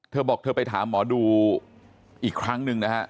เธอบอกเธอไปถามหมอดูอีกครั้งหนึ่งนะฮะ